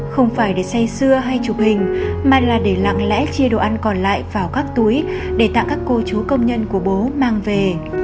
không phải để say xưa hay chụp hình mà là để lặng lẽ chia đồ ăn còn lại vào các túi để tặng các cô chú công nhân của bố mang về